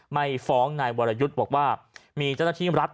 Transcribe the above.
ไม่ฟ้องนายวรยุทธ์บอกว่ามีเจ้าหน้าที่รัฐ